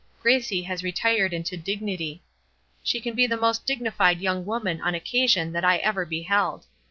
Gracie has retired into dignity. She can be the most dignified young woman on occasion that I ever beheld.